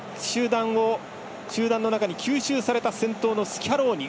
集団の中に吸収された先頭のスキャローニ。